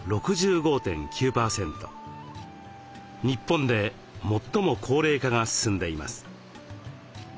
日本で最も高齢化が進んでいます。